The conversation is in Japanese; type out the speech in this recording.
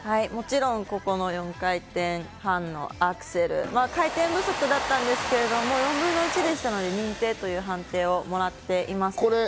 もちろんここの４回転半のアクセル、回転不足だったんですけど、４分の１でしたので認定という判定をもらっています。